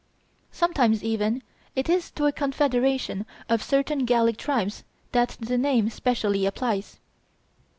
Sometimes even it is to a confederation of certain Gallic tribes that the name Specially applies.